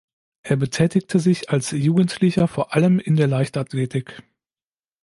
Er betätigte sich als Jugendlicher vor allem in der Leichtathletik.